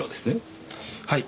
はい。